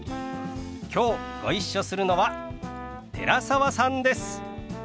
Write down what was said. きょうご一緒するのは寺澤さんです。